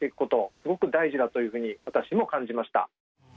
すごく大事だというふうに私も感じました。